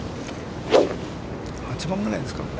８番ぐらいですか、これ。